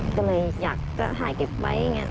ก็เลยอยากจะถ่ายเก็บไว้